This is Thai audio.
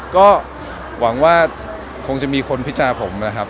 ก็หวังว่าคงจะมีคนพิจาผมนะครับ